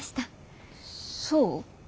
そう？